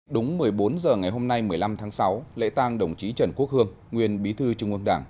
đúng một mươi bốn h ngày hôm nay một mươi năm tháng sáu lễ tang đồng chí trần quốc hương nguyên bí thư trung ương đảng